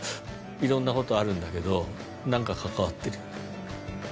いろんなことあるんだけどなんか関わってる。